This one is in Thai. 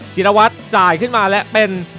ชินวัฒน์จ่ายขึ้นมาและเป็น